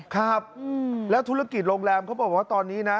ครับแล้วธุรกิจโรงแรมเขาบอกว่าตอนนี้นะ